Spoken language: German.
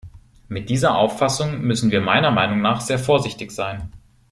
Mit dieser Auffassung müssen wir meiner Meinung nach sehr vorsichtig sein.